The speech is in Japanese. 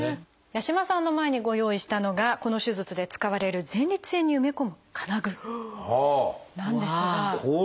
八嶋さんの前にご用意したのがこの手術で使われる前立腺に埋め込む金具なんですが。